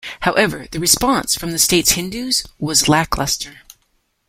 However, the response from the state's Hindus was lacklustre.